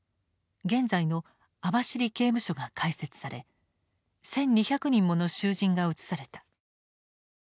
現在の網走刑務所が開設され１，２００人もの囚人が移された。